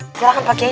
silahkan pak kiai